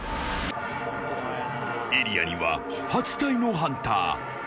エリアには８体のハンター。